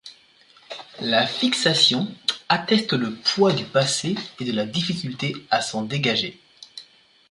La fixation atteste le poids du passé et de la difficulté à s'en dégager.